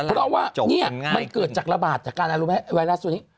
เพราะว่านี่มันเกิดจากระบาดจากการอะไรรู้ไหมไวรัสตัวนี้